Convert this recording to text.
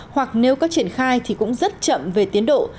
hoặc nếu có triển khai thì cũng rất chậm về tiến độ